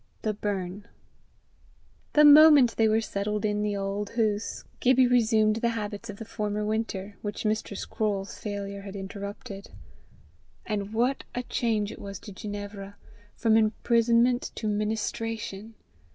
THE BURN. The moment they were settled in the Auld Hoose, Gibbie resumed the habits of the former winter, which Mistress Croale's failure had interrupted. And what a change it was to Ginevra from imprisonment to ministration!